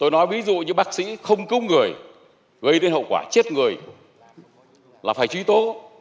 nói ví dụ như bác sĩ không cung người gây đến hậu quả chết người là phải trí tố